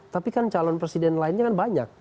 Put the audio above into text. tapi kan calon presiden lainnya kan banyak